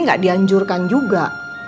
gak dianjurkan juga